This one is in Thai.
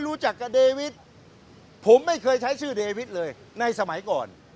รู้จักกับเดวิทผมไม่เคยใช้ชื่อเดวิทย์เลยในสมัยก่อน